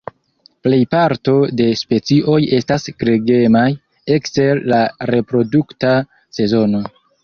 Plejparto de specioj estas gregemaj ekster la reprodukta sezono.